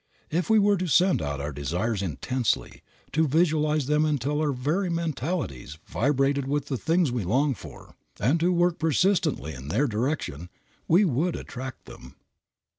If we were to send out our desires intensely; to visualize them until our very mentalities vibrated with the things we long for, and to work persistently in their direction, we would attract them.